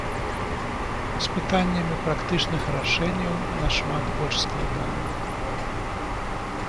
З пытаннямі практычных рашэнняў нашмат больш складана.